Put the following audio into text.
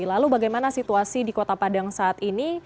lalu bagaimana situasi di kota padang saat ini